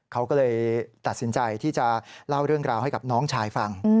เขาก็เลยตัดสินใจที่จะเล่าเรื่องราวให้กับน้องชายฟัง